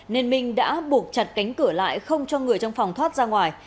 nên minh đã buộc chặt cánh cửa lại không cho người trong phòng thoát ra ngoài